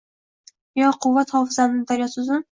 Va quvvai hofizamning daryosi uzun